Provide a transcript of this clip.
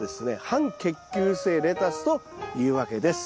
半結球性レタスというわけです。